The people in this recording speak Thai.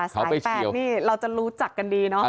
สาย๘นี่เราจะรู้จักกันดีเนาะ